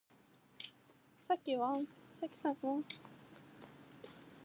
Current shunts are considered more accurate and cheaper than Hall effect devices.